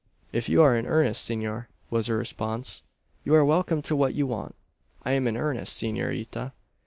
"If you are in earnest, senor," was her response, "you are welcome to what you want." "I am in earnest, senorita."